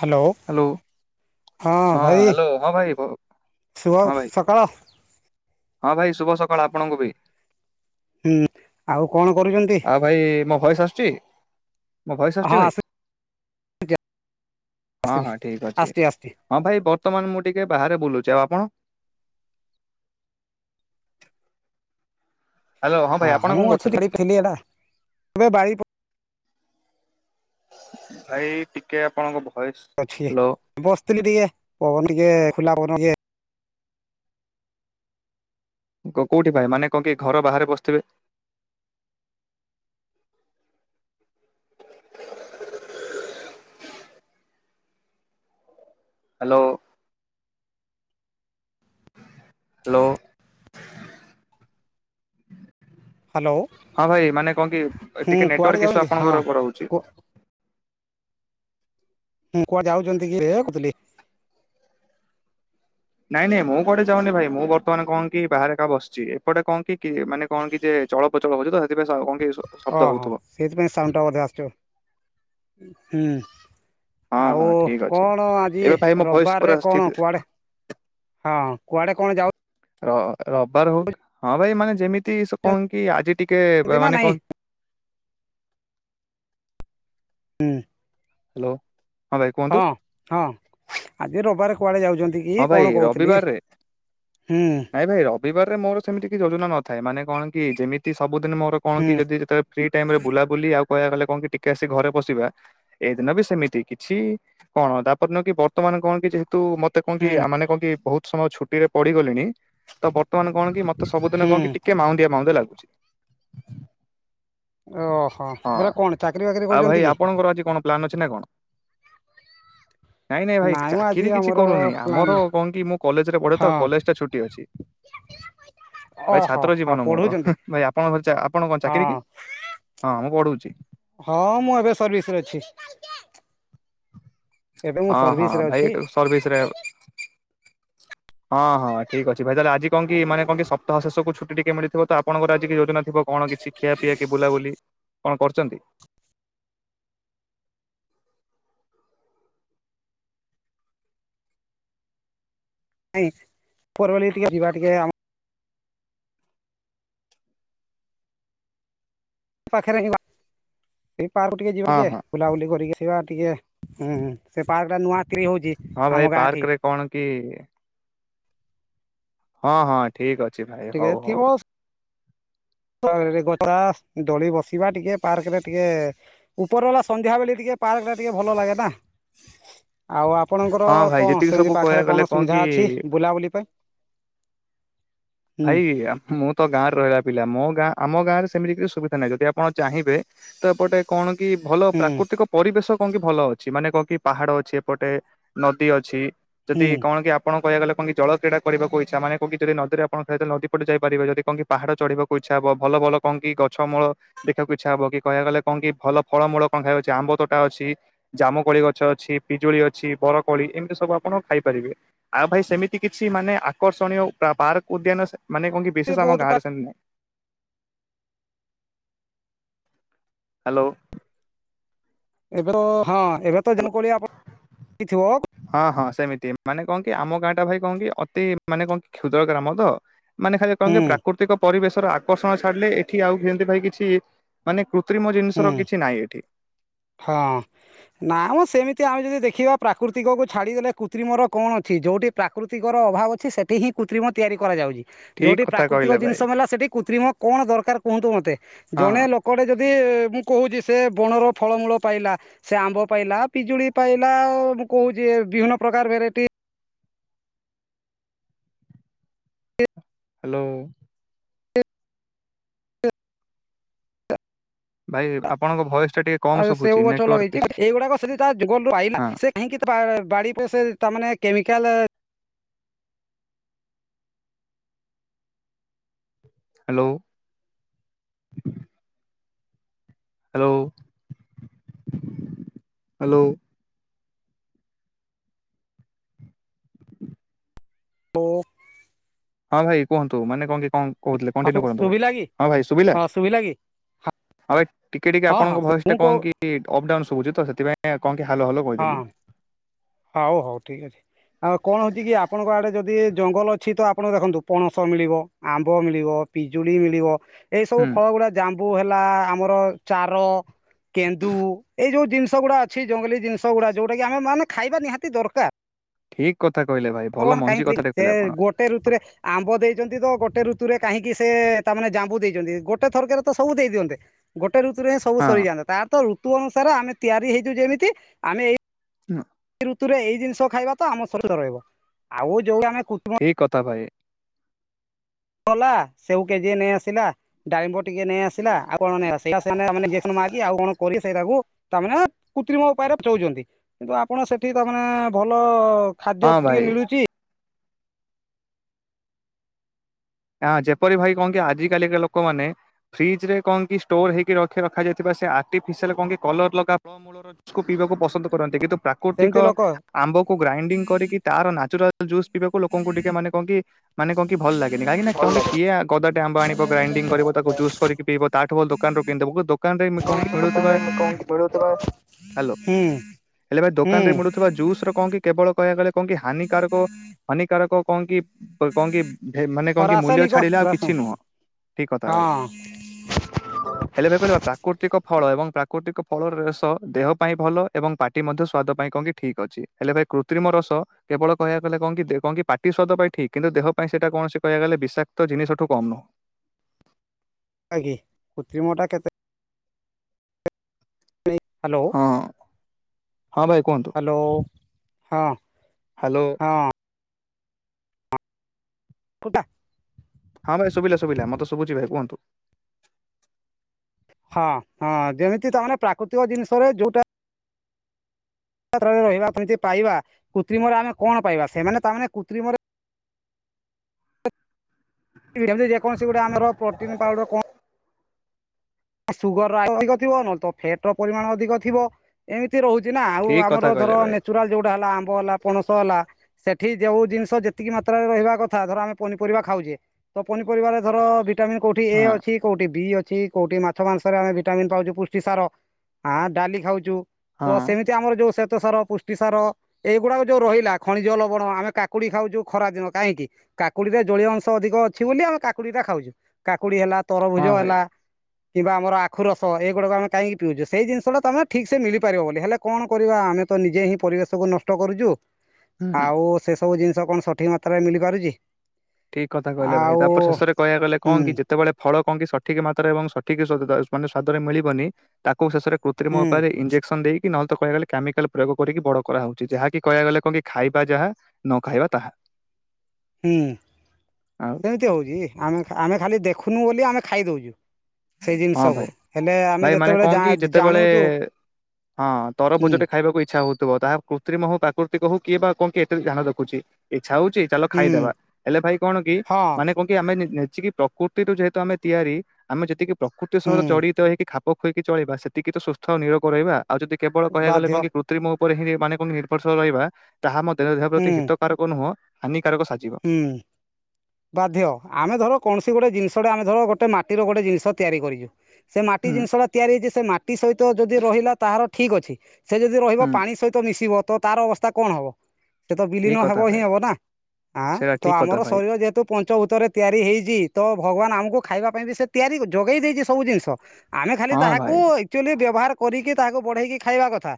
Hello. Hello ହଁ ଭାଇ hello ହଁ ଭାଇ ଭ- ଶୁଭ ହଁ ଭାଇ ସକାଳ। ହଁ ଭାଇ ଶୁଭ ସକାଳ ଆପଣଙ୍କୁ ବି। ହୁଁ ଆଉ। କଣ କରୁଛନ୍ତି ଆଉ ଭାଇ ମୋ ଭଏସ ଆସୁଚି। ମୋ ଭଏସ ହଁ ଆସୁଚି ଭାଇ। ଆସୁଛି ହଁ ଆସୁଛି ହଁ, ଠିକ ଅଛି ଆସୁଛି ଆସୁଛି ହଁ ଭାଇ ବର୍ତ୍ତମାନ ମୁଁ ଟିକେ ବାହାରେ ବୁଲୁଚି। ଆଉ ଆପଣ? ହ୍ୟାଲୋ ହଁ ଭାଇ ଆପଣ ହ ମୁଁ କଣ ଅଛି। କରୁଥିଲେ [unintelligible] ଏଟା ଆବେ ବାଇ ପ। ଭାଇ ଟିକେ ଆପଣଙ୍କ ବ ଅଛି ବସିଥିଲି ଟିକେ ପବନ ଟିକେ ଖୋଲା ପବନ ଟିକେ। କୋଉଠି ଭାଇ ମାନେ କଣ କି ଘର ବାହାରେ ବସିଥିବେ। ହାଲୋ। ହାଲୋ। ହ୍ୟାଲୋ ହଁ ଭାଇ ମାନେ କଣ କି ହୁଁ ଟିକେ କୁଆଡ଼େ ନେଟୱାର୍କ ଇସୁ ଯାଉଛନ୍ତି ହଁ ଆପଣଙ୍କର ରହୁଚି। ମୁଁ କୁଆ ଯାଉଚନ୍ତି କି ଏଇଆ କହୁଥିଲି। ନାଇଁ ନାଇଁ ମୁଁ କୁଆଡେ ଯାଉନି ଭାଇ, ମୁଁ ବର୍ତ୍ତମାନ କଣ କି ବାହାରେ ଏକା ବସଚି। ଏପଟେ କଣ କି କି ମାନେ କଣ କି ଯେ ଏ ଚଳପ୍ରଚଳ ହଉଚି ତ ସେଥିପାଇଁ ସା କଣ କି? ଶ- ଶବ୍ଦ ଅହୋ ହଉଥିବ ସେଇଥିପାଇଁ ସାଉଣ୍ଡଟା ବଧେ ଆସଚ ହୁଁ। ହଁ ଆଉ ହଁ ଠିକ ଅଛି କଣ ଆଜି ଏବେ ଭାଇ ମୋ ଭଏସ ପୁରା ରବବାରରେ ଠିକ କଣ କୁଆଡେ? ହଁ କୁଆଡେ କଣ ଯାଉ ର ରବବାର ହଉ ହଁ ଭାଇ ମାନେ ଯେମିତି ସ ଯାଉଛନ୍ତି କଣ କି ଆଜି ଟିକେ ବେ ନା ମାନେ ନାଇଁ କଣ? ଉଁ। ହାଲୋ। ହଁ ହଁ ଆଜି ରବାରେ କୁଆଡେ ଯାଉ ହଁ ଭାଇ ରବିବାରରେ ହୁଁ ନାଇଁ ଭାଇ ରବିବାରରେ ମୋର ସେମିତି କିଛି ଯୋଜନା ନଥାଏ ମାନେ କଣ କି ଯେମିତି ସବୁଦିନ ମୋର କଣ ହୁଁ କି ଯଦି ଯେତେବେଳେ ଫ୍ରିଟାଇମ ରେ ବୁଲାବୁଲି ଆଉ କହିଆକୁ ଗଲେ କଣ କି ଟିକେ ଆସି ଘରେ ପଶିବା ଏଇ ଦିନ ବି ସେମିତି କିଛି କଣ ତାପରଦିନ କି ବର୍ତ୍ତମାନ ମାନେ କଣ କି ଯେହେତୁ ମତେ କଣ କି ହୁଁ ଆ ମାନେ କଣ କି ବହୁତ ସମୟ ଛୁଟିରେ ପଡିଗଲିଣି ତ ବ ର୍ତ୍ତମାନ କଣ କି ମତେ ସବୁଦିନ ହୁଁ କଣ କି ଟିକେ ମାଉଁନ୍ଦିଆ ମାଉଁନ୍ଦିଆ ଲାଗୁଛି। ଓହ ହଁ ବୋରା କଣ ଚାକିରି ବାକିରି କରୁଚନ୍ତି କି? ପ୍ଲାନ ଅଛି ନା କଣ? ନାଇଁ ନାଇଁ ଭାଇ ମ ଆଜି ଚାକିରି କିଛି ଆମର କରୁନି। ଆମର ପ୍ଲାନ୍ କଣ କି ମୁଁ କଲେଜରେ ପଢେ ହଁ ତ କଲେଜ ଟା ଛୁଟି ଅଛି। ଭାଇ ଓହୋ ଛାତ୍ର ହଁ ଜୀବନ ମୋର ପଢୁଛନ୍ତି ହୁଁ। ଭାଇ ଆପଣଙ୍କର ଚା ଆପଣ କଣ ଚାକିରୀ ହଁ। କି? ହଁ ମୁଁ ପଢୁ ହଁ ମୁଁ ଏବେ ସର୍ଭିସ୍ ରେ ଅଛି। ଏବେ ମୁଁ ହଁ ହଁ ସର୍ଭିସ ରେ ଅଛି ଭାଇ ସର୍ଭିିସରେ ଆଉ। ହଁ ହଁ ଠିକ ଅଛି ଭାଇ ତାହେଲେ ଆଜି କଣ କି ମାନେ କଣ କି ସପ୍ତାହ ଶେଷକୁ ଛୁଟି ଟିକେ ମିଳିଥିବ ତ ଆପଣଙ୍କର ତ ଆଜି କି ଯୋଜନାଥିବ କଣ କିଛି ଖିଆପିଆ କି ବୁଲାବୁଲି କଣ କରୁଛନ୍ତି। [inaudible] ନାଇ ପରେ ଗଲେ ଟିକେ ଯିବା ଟିକେ ଆମ ପାଖେରେ ହିଁ ବା ଏଇ ପାର୍କ ଟିକେ ଯିବା ହଁ ଟିକେ ହଁ ବୁଲାବୁଲି କରିକି ଆସ୍ ସିବା ଟିକେ ଉଁ ହୁଁ ସେ ପାର୍କଟା ନୂଆ କ୍ରି ହଉଛି ହଁ ଭାଇ ଆମ ଗାଁଠି। ପାର୍କରେ କଣ କି ହଁ ହଁ ଠିକ ଅଛି ଭାଇ ଟିକେ ହଉ ଥିବ ହଉ। ଗଛା ଦଳି ବସିବା ଟିକେ ପାର୍କ ରେ ଟିକେ ଉପର ବାଲା ସନ୍ଧ୍ୟା ବେଳେ ଟିକେ ପାର୍କ ଟା ଟିକେ ଭଲ ଲାଗେନା। ଆଉ ଆପଣଙ୍କର ହଁ ଭାଇ କଣ ଯେତିକି ସେମିତି ସବୁ ପାଖରେ କହିବାକୁ ଗଲେ କଣ ସୁବିଧା କି ଅଛି ବୁଲାବୁଲି ପାଇଁ। [inaudible] ଭାଇ ମୁଁ ତ ଗାଁ ରେ ରହିଲା ପିଲା ମୋ ଗାଁ ଆମ ଗଁରେ ସେମିତି କିଛି ସୁବିଧା ନାହିଁ ଯଦି ଆପଣ ଚାହିଁବେ ତ ଏପଟେ କଣ କି ଭଲ ହୁଁ ପ୍ରାକୃତିକ ପରିବେଶ କଣ କି ଭଲ ଅଛି ମାନେ କଣ କି ପାହାଡ ଅଛି ଏପଟେ ନଦୀ ଅଛି ହୁଁ ଯଦି କଣ କି ଆପଣ କହିବାକୁ ଗଲେ କଣ କି ଜଳ କ୍ରୀଡ଼ା କରିବାକୁ ଇଛା ମାନ କହକ ଯଦି ନଦିରେ ଆପଣ ନଦୀ ପଟେ ଯାଇପିବେ ଯଦି କ କି ପାହାଡ ଚଢିବାକୁ ଇଛା ହବ ଭଲ କଣ କି ଗଛମୂଳ ଦେଖିବାକୁ ଇଚ୍ଛା ହବ କହିବାକୁ ଗଲେ କଣ କି ଭଲ ଫଳମୂଳ କଣ ଖାଇବା ଅଛି ଆମ୍ବ ତୋଟା ଅଛି ଜାମୁକୋଳି ଗଛ ଅଛି ପିଜୁଳି ଅଛି ବରକୋଳି ଏମିତି ସବୁ ଆପଣ ଖାଇ ପାରିବେ ଆଉ ଭାଇ ସେମିତି କିଛି ମାନେ ଆକର୍ଷଣୀୟ ପାର୍କ ଉଦ୍ୟାନ ମାନେ କଣ କି ଏ ବଶେଷ ଆମର ବହୁତ ପା ଗାଁରେ ନାହିଁ। ହ୍ୟାଲୋ ଏବେ ତ ହଁ ଏବେ ତ ହ୍ୟାଲୋ ଜାମୁକୋଳି ଆପଣଙ୍କୁ ମିଳିଥିବ? ହଁ ହଁ ସେମିତି ମାନେ କଣ କି ଆମ ଗାଁ ଟା ଭାଇ କଣ କି ଅତି ମାନେ କହ କି କ୍ଷୁଦ୍ର ଗ୍ରାମ ତ ମାନେ ଖା କଣ ହୁଁ କି ପ୍ରାକୃତିକ ପରିବେଶର ଆକର୍ଷଣ ଛାଡିଲେ ଏଠି ଆଉ ଯେମିତି ଭାଇ କିଛି ମାନେ କୃତ୍ରିମ ହୁଁ ଜିନିଷର କିଛି ନାହିଁ ଏଠି। ହଁ ନା ମୁଁ ସେମିତି ଆମେ ଯଦି ଦେଖିବା ପ୍ରାକୃତିକକୁ ଛାଡିଦେଲେ କୃତ୍ରିମର କଣ ଅଛି? ଯଉଠି ପ୍ରାକୃତିକର ଅଭାବ ଅଛି ସେଠି ହିଁ କୃତ୍ରିମର ତିଆରି କରାଯାଉଛି। ଠିକ ଯୋଉଠି କଥା ପ୍ରାକୃତିକ କହିଲେ ଭାଇ ଜିନିଷ ମେଲା ସେଠି କୃତ୍ରିମ କଣ ଦରକାର କୁହନ୍ତୁ ମୋତେ ହଁ ଜଣେ ଲୋକଟେ ଯ ଯି ମୁଁ କହୁଛି ସେ ବଣର ଫଳମୂଳ ପାଇଲା ସେ ଆମ୍ବ ପାଇଲା ପିଜୁଳି ପାଇଲାଉ ମୁଁ କହୁଛି ବିଭିନ୍ନ ପ୍ରକାର ଭେରାଇଟି ହ୍ୟାଲୋ [inaudible] ଭାଇ ଆପଣଙ୍କ ଭୟସ ଟା ଟିକେ କମ ଆ ଶୁଭୁଛି ସେଉ ଗଛ ନେଟୱାର୍କ ଲଗେଇଛି ଇସୁ। ଏଇଗୁଡାକ ସେଠି ତା ଜୀବନରୁ ଆଇିଲଲା ହଁ ସେ କାହିଁକି ବାଡି ପ ସେ ତାମାନେ କେମିକାଲ ହ୍ୟାଲୋ ହ୍ୟାଲୋ ହ୍ୟାଲୋ ହ [inaudible] ହଁ ଭାଇ କୁହନ୍ତୁ ମାନେ କଣ କି କଣ କହୁଥିଲେ କଣ୍ଟିନ୍ୟୁ କରନ୍ତୁ ଭାଇ ଶୁଭିଲା କି ହଁ ଭାଇ ଶୁଭିଲା ହଁ କି ହଁ ଭାଇ ଟିକେ ଟିକେ ହଁ ହଁ ଆପଣଙ୍କ ଭଏସ ମୁଁ ଟା କହୁ କଣ କି ଅପ୍ ଡାଉନ୍ ଶୁଭୁଛି ତ ସେଥିପାଇଁ କଣ କି ହ୍ୟାଲୋ ହ୍ୟାଲୋ ହଁ କହିଦେଲି ହଉ ହଉ ଠିକ ଅଛି ଆଉ କଣ ହଉଛି କି ଆପଣଙ୍କ ଆଡେ ଯଦି ଜଙ୍ଗଲ ଅଛି ତ ଆପଣ ଦେଖନ୍ତୁ ପଣସ ମିଳିବ, ଆମ୍ବ ମିଳିବ, ପିଜୁଳି ମିଳିବ ଏଇ ସବୁ ହୁଁ ଫଳ ଗୁଡା ଜାମ୍ବୁ ହେଲା ଆମର ଚାର କେନ୍ଦୁ ଏଇ ଯୋଉ ଜିନିଷ ଗୁଡା ଅଛି ଜଙ୍ଗଲୀ ଜିନିଷ ଗୁଡା ଯୋଉଟା କି ଆମେ ମାନେ ଖାଇବା ନିହାତି ଦରକାର ଠିକ କଥା କହିଲେ ଭାଇ ଭଲ ଭଗବାନ ମଞ୍ଜି କାହିଁକ କଥାଟେ ସେ କହିଲେ ଆପଣ ଗୋଟେ ଋତୁରେ ଆମ୍ବ ଦେଇଛନ୍ତି ତ ଗୋଟେ ଗୋଟେ ଋତୁରେ କାହିଁକି ସେ ତାମାନେେ ଜାମ୍ବୁ ଦେଇଛନ୍ତି ଗୋଟେ ଥରକରେ ତ ସବୁ ଦେଇ ଦିଅନ୍ତେ ଗୋଟେ ଗୋଟେ ଋତୁରେ ହିଁ ସବୁ ହଁ ସରିଯାନ୍ତା ତାର ତ ଋତୁ ଅନୁସାରେ ଆମେ ତିଆରି ହେଇଛୁ ଯେମିତି ଆମେ ଏଇ ଏଇ ଋତୁରେ ଏଇ ଜିନିଷ ଖାଇବା ତ ଆମ ଶରୀର ରହିବ ଆଉ ଯୋଉ ଆମେ କୃତ୍ରିମ ଠିକ କଥା ଭାଇ ଗଲା ସେଓ କେଜିଏ ନେଇ ଆସିଲା ଡାଳିମ୍ବ ଟିକେ ନେଇ ଆସିଲା ଆଉ କଣ ନେଇ ଆସିଲା [unintelligible] କରି ସେଇଟାକୁ ତାମାନେ କୃତ୍ରିମ ଉପାୟରେ ବୁଝଉଛନ୍ତି କିନ୍ତୁ ଆପଣ ସେଠି ତାମାନେ ଭଲ ଖାଦ୍ୟ ହଁ ଟିକେ ଭାଇ ମିଳୁଛି ଆ ଯେପରି ଭାଇ କଣକି ଆଜି କାଲିକ ଲୋକମାନେ ଫ୍ରିଜ ରେ କଣ କି ଷ୍ଟୋର ହେଇକି ର ରଖାଯାଇଥିବା ସେ ଆର୍ଟିଫିସିଆଲ କଣ କି କଲର ଲଗା ଫଳ ମୂଳକରୁ ପିଇବାକୁ ପସନ୍ଦ କରନ୍ତି କିନ୍ତୁ ପ୍ରାକୃତିକ ସେମିତି ଲୋକ ଆମ୍ବକୁ ଗ୍ରାଇଣ୍ଡିଙ୍ଗ କରିକି ତାର ନାଚୁରାଲ ଜୁସ୍ ପିଇବାକୁ ଲୋକଙ୍କୁ ଟିକେ ମାନେ କଣକି! ମାନେ କଣ କି! ଭଲ ଲାଗେ। କାହିଁକିନା ଭଲ କେଉଁକି, ଲାଗେ। କିଏ ଗଦାଟେ ଆମ୍ବ ଆଣିବ? ଗ୍ରାଇଣ୍ଡିଙ୍ଗ କରିବ। ତାକୁ ଜୁସ୍ କରିକି ପିଇବ। ତାଠୁ ଭଲ ଦୋକାନରୁ କିଣିଦବ। ଦୋ କାନରେ କଁ କି ଦୋକାନରେ ମିଳୁଥିବା, ମିଳୁଥିବା ହ୍ୟାଲୋ! ହୁଁ ହେଲେ ଭାଇ ହୁଁ ଦୋକାନ ରେ ମିଳୁଥିବା, ଜୁସ ର କଣ କି କେବଳ କହିବାକୁ ଗଲେ, କଣ କି ହାନିକାରକ! ହାନିକାରକ କଣ କି? ବ୍ କଣ କି? ବ ମାନେ ହଁ କଣ କି? ମୂଲ୍ୟ ରାସାୟନିକ ଛାଡିଲେ ଆଉ ରାସ କିଛି ନୁହଁ। ଠିକ୍ କଥା ଭାଇ ହଁ ହେଲେ ଭାଇ କହିଲେ ବା ପ୍ରାକୃତିକ! ଫଳ ଏବଂ ପ୍ରାକୃତିକ ଫଳର ରସ ଦେହ ପାଇଁ ଭଲ, ଏବଂ ପାଟି ମଧ୍ୟ ସ୍ଵାଦ ପାଇଁ କଣକି ଠିକ୍ ଅଛି। ହେଲେ ଭାଇ କୃତ୍ରିମ ରସ କେବଳ କହିବା କଲେ, କଁ କି କଁ କି ପାଟି ସ୍ୱାଦ ପାଇଁଠିକ୍। କିନ୍ତୁ ଦେହ ପାଇଁ ସେଟା କୌଣସି କହିବାକୁ ଗଲେ, ବିଷାକ୍ତ ଜିନିଷଠୁ କମ୍ ନୁହଁ। ଆଗେ, କୃତ୍ରିମଟା କେତେ ମାନେ ହ୍ୟାଲୋ! ହଁ ହଁ ଭାଇ କୁହନ୍ତୁ ହ୍ୟାଲୋ! ହଁ ହ୍ୟାଲୋ ହଁ। ଫୁଟା। ହଁ ଭାଇ ଶୁଭିଲା ଶୁଭିଲା, ମତେ ଶୁଭୁଛି ଭାଇ କୁହନ୍ତୁ। ହଁ ହଁ ଯେମିତି ତାମାନେ, ପ୍ରାକୃତିକ ଜିନିଷରେ ଯୋଉଟା ରହିବା କେମିତି ପାଇବା, କୃତ୍ରିମରେ ଆମେ କଣ ପାଇବା? ସେମାନେ ତାମାନେ କୃତ୍ରିମରେ ଯେକୌଣସି ଗୋଟେ ଆମର ପ୍ରୋଟିନ୍ ପାଉଡର କଣ? ସୁଗର ଅଧିକ ଥିବ, ନହଲେତ ଫ୍ୟାଟ ର ପରିମାଣ ଅଧିକ ଥିବ ଏମିତି ରହୁଛି। ନା ଆଉ ଠିକ ଆମର କଥା ଧର କହିଲେ ଭାଇ। ନେଚୁରାଲ ଯୋଉଟା ହେଲା ଆମ୍ବ ହେଲା, ପଣସ ହେଲା ସେ ଏଠି ଯେଉଁ ଜିନିଷ ଯେତିକି ମାତ୍ରାରେ ରହିବା କଥା, ଧର ଆମେ ପନିପରିବା ଖାଉଛେ, ତ ପନିପରିବାରେ ଧର ଭି ଭିଟାମନ୍ କୋଉଠି ଏ ହଁ ଅଛି, କୋଉଠି ବି ଅଛି, କୋଉଠି ମା ମାଛ ମାଂସରେ ଆମେ ଭିଟାମିନ୍ ପାଉଛୁ। ପୁଷ୍ଟି ସାର ଡାଲି ଖାଉଛୁ, ତ ହଁ ସେମିତି ଆମର ଯୋଉ ସେ ଶ୍ୱେତ ସାର, ପୁଷ୍ଟି ସାର ଏଇଗୁଡାକ ଯୋଉ ରହିଲା ଖଣିଜ ଲବଣ, ଆମେ କାକୁଡି ଖାଉଛୁ ଖରା ଦିନ କାହିଁକି? କାକୁଡିରେ ଜଳୀୟ ଅଂଶ ଅଧିକ ଅଛି ବୋଲି ଆମେ କାକୁଡି ଟା ଖାଉଛୁ। କାକୁଡି ହେଲା, ତରଭୁଜ ହଁ ଭାଇ ହେଲା କିମ୍ବା ଆମର ଆଖୁ ରସ ଏଗୁଡା ଆମେ କାହିଁକି ପିଉଛୁ। ସେଇ ଜିନିଷଟା ତମେ ଠିକ୍ ସେ ମିଳିପାରିବ ବୋଲି, ହେଲେ କଣ କରିବା ଆମେ? ତ ନିଜେ ହିଁ ପରିବେଶକୁୁ ନଷ୍ଟ କରୁଚୁ। ହୁଁ। ଆଉ ସେ ସବୁ ଜିନିଷ କଣ ସଠିକ୍ ମାତ୍ରାରେ ମିଲି ପାରୁଛି? ଠିକ୍ କଥା କହିଲେ ଭାଇ। ତାପରେ ଶେଷରେ କହିବା ଗଲେ ହୁଁ କଣ କି ଯେତେବେଳେ ଫଳ କଣ କି ସଠିକ ମାତ୍ରାରେ ଏବଂ ସଠିକ ମାନେ ସ୍ଵାଦ-ଦ -ସ୍ଵାଦରେ ମିଳିବନି? ତାକୁ ଶେଷରେ କୃତ୍ରିମ ହୁଁ ଉପାୟରେ ଇଞ୍ଜେକ୍ସନ ଦେଇ କି ନହେଲେ ତ କହିବା ଗଲେ କେମିକାଲ ପ୍ରୟୋଗ କରିକି, ବଡ କରା ହଉଛି। ଯାହାକି କହିବା ଗଲେ କଣ କି ଖାଇବା ଯାହା ନ ଖାଇବା ତାହା। ହୁଁ, ଆଉ ସେମିତି ହଉଛି। ଆମେ ଖା ଆମେ ଖାଲି ଦେଖୁ। ଖୁନୁ ବୋଲି ଆମେ ଖାଇ ଦଉଛୁ। ସେଇ ହଁ ଭାଇ ଜିନିଷକୁ ହେଲେ, ଆମେ ଭାଇ ମାନେ ଯେତେବେଳେ କଣ କି ଜା-ଜାଣୁଚୁ ଯେତେବେଳେ ହଁ, ତରଭୋଜ ଟେ ଖାଇବାକୁଇ୍ଛା ହଉ ଥିବ। ତାହା କୃତ୍ରିମ ହଉ ପ୍ରାକୃତିକ ହଉ କିଏ ବା କଣ କିଏ? ଏତେ ଧ୍ୟାନ ରଖୁଛି। ଛା ହଉଛି ଚାଲ ଖାଇଦବା। ହୁଁ ହେଲେ ଭାଇ କଣ କି! ହଁ ମାନେ କଣ କି ଆମେ ନି-ନ୍ ଚି କି ପ୍ରକୃତି ରୁ ଯେହେତୁ ଆମେ ତିଆରି, ଆମେ ଯେତିକି ପ୍ରକୃତି ସତ ହୁଁ ଜଡିତ ହେଇକି ଖାପ୍ ପଖଇକି ଚଳିବା ସେତିକି ତ ସୁସ୍ଥ ଆଉ ନିରୋଗ ରହିବା। ଆଉ ଯଦି କେବଳ କହିବା ଗଲେ ବାଧ୍ୟ କଁ କି କୃତ୍ରମ ଉପରେ ହିଁ ମାନେ କଁ କି ନିର୍ଭରଶୀଳ ରହିବା। ତାହା ମଧ୍ୟରେ ଦେହ ହୁଁ ପ୍ରତି ହିତକାରକ ନୁହଁ। ହାନି କାରକ ସାଜିବ। ହୁଁ ବାଧ୍ୟ। ଆମେ ଧର କୌଣସି ଗୋଟେ ଜିନିଷଡେ, ଆମେ ଧର ଗୋଟେ ମାଟିର ଗୋଟେ ଜିନିଷ ତିଆରି କରିଚୁ। ସେ ମାଟି ହୁଁ ଜିନିଷଡା ତିଆରି ହେଇଛି। ସେ ମାଟି ସହିତ ଯଦି ରହିଲା, ତାହାର ଠିକ୍ ଅଛି। ସେ ଯଦି ରହିବ, ହୁଁ ପାଣି ସହିତ ମିଶିବ। ତ ତାର ଅବସ୍ଥା କଣ ହବ? ସେ ତ ବିଲୀନ ଠିକ ହେବ କଥା ହିଁ ଭାଇ ହେବ ନା। ଆଁ, ସେଇଟା ତ ଠିକ କଥା ଆମର ଭାଇ ଶରୀର ଯେ ତ ଉତରେ ତିଆରି ହେଇଛି। ତ ଭଗବାନ ଆମକୁ ଖାଇବା ପାଇଁ ବି ସେ ତିଆରି ଯୋଗେଇ ଦେଇଛି ସବୁ ଜିନିଷ। ଆମେ ଖାଲି ହଁ ତାହାକୁ ଭାଇ ଆକ୍ଚୁଆଲି ବ୍ୟବହାର କରିକି ତାହାକୁ ବଢେଇକି ଖାଇବା କଥା।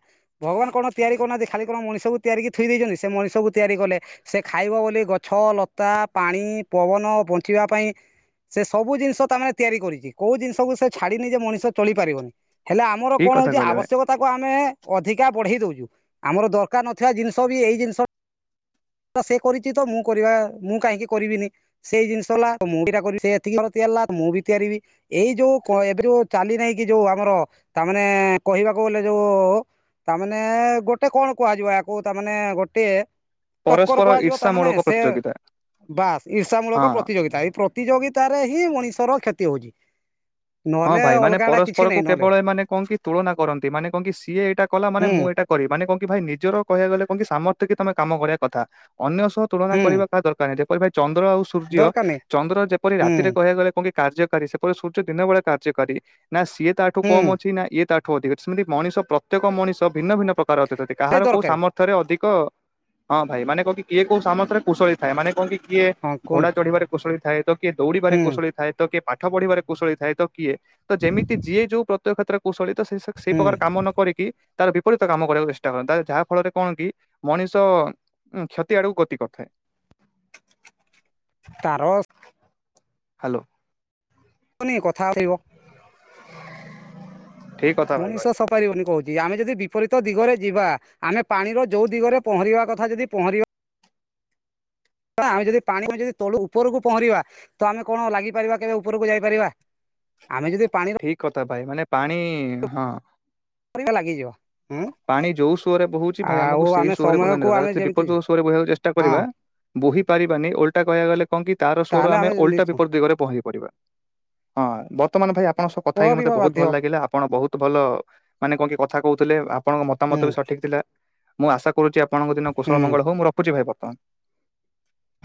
ଭଗବାନ କଣ ତିଆରି କରୁନାହାଁନ୍ତି। ଖାଲି କଣ ମଣିଷକୁ ତିଆରିି ଥୁଇ ଦେଇଛନ୍ତି। ସେ ମଣିଷ ତିଆରି କଲେ। ସେ ଖାଇବ ବୋଲି ଗଛ, ଲତା, ପାଣି, ପବନ ବଞ୍ଚିବା ପାଇଁ ସେ ସବୁ ଜିନିଷ ତମେ ତିଆରି କରିଛି କୋଉ ଜିନିଷକୁ ସେ ଛାଡିିନି ଯେ ମଣିଷ ଚଳି ପାରିବନି। ହେଲେ ଆମର ଠିକ କଣ କଥା ହେଉଛି କହିଲେ ଭାଇ ଆବଶ୍ୟକତାକୁ ଆମେ ଅଧିକା ବଢେଇ ଦଉଛୁ ଆମର ଦରକାର ନଥିବା ଜିନିଷ ବି ଏଇ ଜିନିଷ ସେ କରିଛି ତ ମୁଁ କରିବା ମୁଁ କାହିଁକି କରିବିନି ସେଇ ଜିନିଷ ହେଲା ମୁଁ ଏଇଟା କରିବି ସେ ଏତିକି ଥର ମୁଁ ବି ତିଆରିିବି ଏଇ ଯୋଉ ଏବେ ଯୋଉ ଚାଲି ନାହିଁ କି ଯୋଉ ଆମର ତାମାନେ କହିବାକୁ କ ଯୋଉ ତାମାନେ ଗୋଟେ କଣ କୁହାଯିବ ୟାକୁ ତାମାନେ ଗୋଟେ ଟକ୍କର ପରସ୍ପର କୁହାଯିବ ଈର୍ଷା ମୂଳକ ତାମାନୋନେ ସେ ପ୍ରତିଯୋଗିତା ବାସ୍ ଇର୍ଷା ମୂଳକ ହଁ ପ୍ରତିଯୋଗିତା ଏଇ ପ୍ରତିଯୋଗିତା ତାରେ ହିଁ ମଣିଷ ର କ୍ଷତି ହଉଛି। ହଁ ନହେଲେ ଭାଇ ମାନେ ଅଲଗା ଟା କିଛି ପରସ୍ପରକୁ ନାଇଁ ନହେଲେ କେବଳ ମାନେ କଣ କି ତୁଳନା କରନ୍ତି ମାନେ କଣ କି ସିଏ ଏଇଟା କଲା ମାନେ ହୁଁ ମୁଁ ଏଇଟା କରିବ ମାନେ କ କି ଭାଇ ନିଜର କହିବାକୁ ଗଲେ କଣି ସାମର୍ଥ୍ୟ କି ତମେ କାମ କରିବା କଥା ଅନ୍ୟ ସହ ତୁଳନା ହୁଁ କରିବା କାହା ଦରକାର ନାହିଁ ଯେପରି ଭାଇ ଚନ୍ଦ୍ର ଆଉ ସୂର୍ଯ୍ୟ ଦରକାର ନାହିଁ ଚନ୍ଦ୍ର ଯେପରି ରାତିରେ ହୁଁ କହିବାକୁ ଗଲେ କଣି କାର୍ଯ୍ୟକାରୀ ସେପରି ସୂର୍ଯ୍ୟ ଦିନ ବେଳେ କାର୍ଯ୍ୟକାରୀ ନା ସିଏ ତାଠୁ କମ ହୁଁ ଅଛି ନା ଇଏ ତାଠୁ ଅଧିକ ସେମିତି ମଣିଷ ପ୍ରତ୍ୟେକ ମଣିଷ ଭିନ୍ନ ଭିନ୍ନ ପ୍ରକାର ଅତିଥି ଏଇ କାହାର କଉ ଦରକାରୀ ସାମର୍ଥ୍ୟରେ ଅଧିକ କ ହଁ ଭାଇ ମାନେ କହ କି କିଏ କୋଉ ସାମର୍ଥ୍ୟ ରେ କୁଶଳୀ ଥାଏ ମାନେ କଅଁ କି କିଏ ହଁ ଘୋଡା କୁହନ୍ତୁ ଚଢିବାରେ କୁଶଳୀ ଥାଏ ତ କିଏ ଦୌଡିବାରେ ହୁଁ କୁଶଳୀ ଥାଏ ତ କିଏ ପାଠ ପଢିବାରେ କୁଶଳୀ ଥାଏ ତ କିଏ ତ ଯେମିତି ଯିଏ ଯୋଉ ପ୍ରତ୍ୟକ କ୍ଷେତ୍ରରେ କୁଶଳୀ ତ ସେ ସେଇ ହୁଁ ପ୍ରକାର କାମ ନ କରିକି ତାର ବିପରୀତ କାମ କରିବାକୁ ଚେଷ୍ଟା କରନ୍ତି ଯାହା ଫଳରେ କଣ କି ମଣିଷ ଉୁଁ କ୍ଷତି ଆଡକୁ ଗତି କରିଥାଏ। ତା ରସ୍ ହ୍ୟାଲୋ। ଆନି କଥା [unintelligible] ଠିକ କଥା ଭାଇ ମଣିଷ କହିଲେ ସପାରିବନି କହୁଛି ଆମେ ଯଦି ବିପରୀତ ଦିଗରେ ଯିବା ଆମେ ପାଣିର ଯେଉଁ ଦିଗରେ ପହଁରିବା କଥା ଯଦି ପହଁରିବା ଆମେ ଯଦି ପାଣି ଆମେ ଯଦି ତଳ ଉପରକୁ ପହଁରିବା ତ ଆମେ କଣ ଲାଗିପାରିବା କେବେ ଉପରକୁ ଯାଇପାରିବା। ଆମେ ଯଦି ପାଣି ର ତା ପାଇଁ ମାନେ ପାଣି ହଁ। [unintelligible] ଲାଗିଯିବ। ପାଣି ଯୋଉ ସୁଅରେ ବୋହୁଛି ଭାଇ ଆମକୁ ସେଇ ଆମେ ସୁଅରେ ବୋହିବା ସମୟକୁ ଦରକାର ଆମେ ଯେମିତି ବିପରୀତ ଦିଗ ସୁରେ ବୋହିବାକୁ ଚେଷ୍ଟା କରିବା ହଁ ବୋହି ପାରିବାନି ଓଲଟା କହହା ଗଲେ କଣ କି ତ ସ୍ୱର ତାହେଲେ ଆମେ ଓଲ୍ଟା ନିଶ୍ଚୟ ବିପରୀତ ଦିଗରେ ପହଁରିବା। ହଁ ବର୍ତ୍ତମାନ ଭାଇ ଆପଣଙ୍କ ସହ କଥା ହେଇକି ମୋତେ କରିବା ବହୁତ ବାଧ୍ୟ ଭଲ ଲାଗିଲା ଆପଣ ବହୁତ ଭଲ ମାନେ କଣ କି କଥା କହୁଥିଲେ ଆପଣଙ୍କ ମତାମତ ହୁଁ ବି ସଠିକ ଥିଲା। ମୁଁ ଆଶା କରୁଛି ଆପଣଙ୍କ ଦିନ କୁଶଳ ହୁଁ ମଙ୍ଗଳ ହଉ ମୁଁ ରଖୁଛି ଭାଇ ବର୍ତ୍ତମାନ।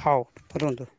ହଉ ରୁହନ୍ତୁ।